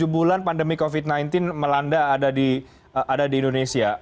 tujuh bulan pandemi covid sembilan belas melanda ada di indonesia